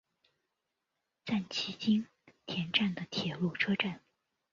赞岐津田站的铁路车站。